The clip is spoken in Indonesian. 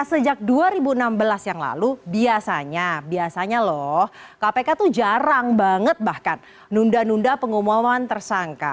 sejak dua ribu enam belas yang lalu biasanya biasanya loh kpk tuh jarang banget bahkan nunda nunda pengumuman tersangka